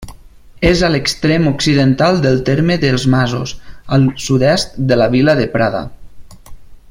És a l'extrem occidental del terme dels Masos, al sud-est de la vila de Prada.